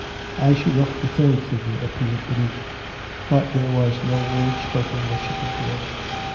As she looked, a third figure appeared beneath; but there was no word spoken that she could hear.